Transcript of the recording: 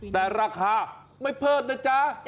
แต่ราคาไม่เพิ่มนะจ๊ะ